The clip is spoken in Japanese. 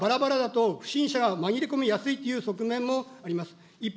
制服がばらばらだと不審者が紛れ込みやすいという側面もあります。